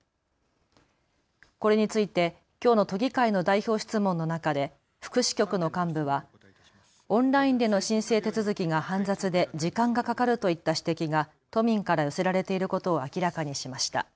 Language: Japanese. これについてきょうの都議会の代表質問の中で福祉局の幹部はオンラインでの申請手続きが煩雑で時間がかかるといった指摘が都民から寄せられていることを明らかにしました。